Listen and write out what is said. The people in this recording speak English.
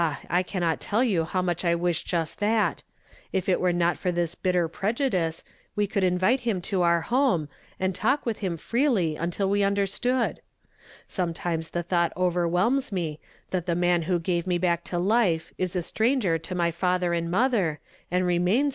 I cannot tell you how much I wish just that I If it were not for this bitter prejudice, we coulil invite him to our home, aud talk with him freely until we undei stood. Sometimes the thought overwhelms me, that the man who gave me buck to life is ^ stranger to my father and I "WHO lIATir ItKMlA'KI) OUIl UKPOTIT ?" 09 inotlior, niid loiuuins